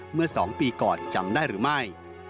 เมื่อ๒ปีก่อนจำได้หรือไม่